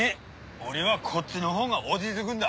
俺はこっちのほうが落ち着ぐんだ。